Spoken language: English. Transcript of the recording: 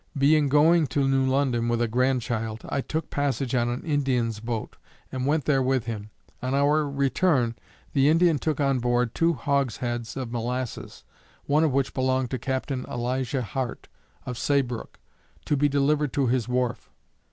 Being going to New London with a grand child, I took passage on an Indian's boat, and went there with him. On our return, the Indian took on board two hogsheads of molasses, one of which belonged to Capt. Elisha Hart, of Saybrook, to be delivered to his wharf.